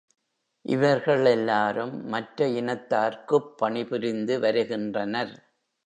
இவர்கள் எல்லாரும் மற்ற இனத்தார்க்குப் பணிபுரிந்து வருகின்றனர்.